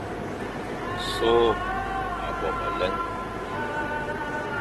So a bo me nlem,